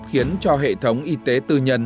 khiến cho hệ thống y tế tư nhân